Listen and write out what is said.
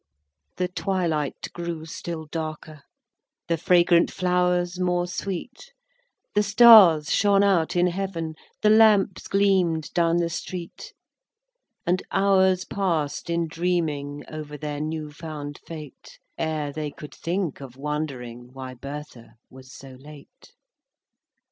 XIV. The twilight grew still darker, The fragrant flowers more sweet, The stars shone out in heaven, The lamps gleam'd down the street; And hours pass'd in dreaming Over their new found fate, Ere they could think of wondering Why Bertha was so late.